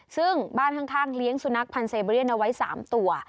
ซึ่งบ้านข้างเลี้ยงสุนัขพันธ์เซเบรียนเอาไว้๓ตัว